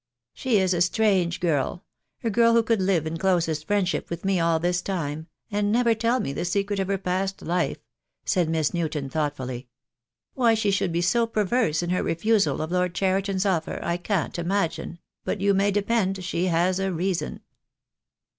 "She is a strange girl — a girl who could live in closest friendship with me all this time, and never tell me the secret of her past life," said Miss Newton thought fully. "Why she should be so perverse in her refusal of Lord Cheriton's offer I can't imagine — but you may de pend she has a reason."